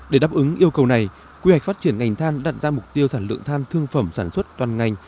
để đáp ứng yêu cầu này quy hoạch phát triển ngành than đặt ra mục tiêu sản lượng than thương phẩm sản xuất toàn ngành